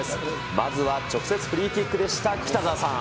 まずは直接フリーキックでした。